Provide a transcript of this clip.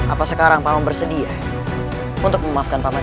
apa sekarang paman bersedia untuk memaafkan paman ini